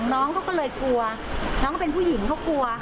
น้องเขาก็เลยกลัวน้องก็เป็นผู้หญิงเขากลัวค่ะ